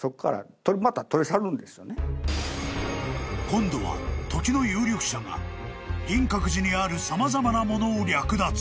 ［今度は時の有力者が銀閣寺にある様々な物を略奪］